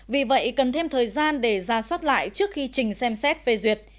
vì vậy cần thêm thời gian để ra soát lại trước khi trình xem xét phê duyệt